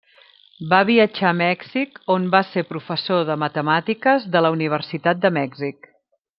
Va viatjar a Mèxic on va ser professor de Matemàtiques de la Universitat de Mèxic.